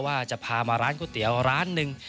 ว่าจะพามาร้านก๋วยเตี๋ยวร้านหนึ่ง